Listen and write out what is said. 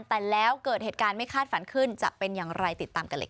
แต่แล้วเกิดเหตุการณ์ไม่คาดฝันขึ้นจะเป็นอย่างไรติดตามกันเลยค่ะ